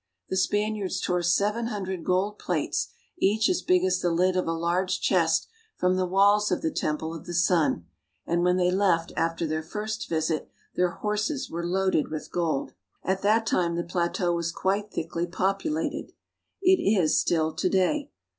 The Spaniards tore seven hundred gold plates, each as big as the lid of a large chest, from the walls of the Temple of the Sun, and when they left after their first visit their horses were loaded with gold. At that time the plateau was quite thickly populated. It is still so to day.